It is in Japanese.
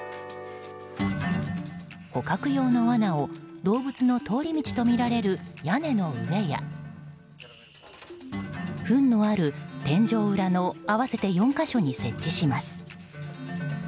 捕獲用のわなを、動物の通り道とみられる屋根の上やふんのある天井裏の合わせて４か所に設置します。